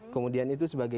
kemudian itu sebagai